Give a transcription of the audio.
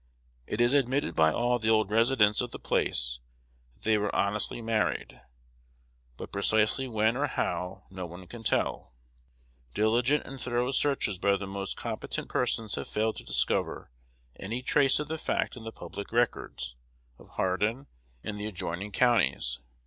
It is admitted by all the old residents of the place that they were honestly married, but precisely when or how no one can tell. Diligent and thorough searches by the most competent persons have failed to discover any trace of the fact in the public records of Hardin and the adjoining counties.